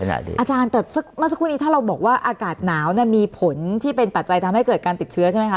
อาจารย์แต่เมื่อสักครู่นี้ถ้าเราบอกว่าอากาศหนาวมีผลที่เป็นปัจจัยทำให้เกิดการติดเชื้อใช่ไหมคะ